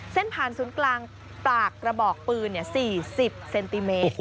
เส้นผ่านศูนย์กลางปากกระบอกปืน๔๐เซนติเมตร